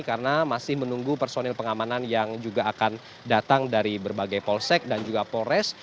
karena masih menunggu personil pengamanan yang juga akan datang dari berbagai polsek dan juga polres